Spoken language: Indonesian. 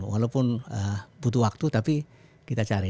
walaupun butuh waktu tapi kita cari